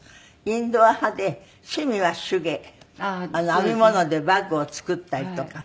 編み物でバッグを作ったりとか。